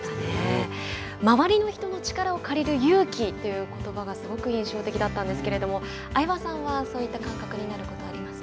「周りの人の力を借りる勇気」ということばがすごく印象的だったんですけれども相葉さんはそういった感覚になることはありますか。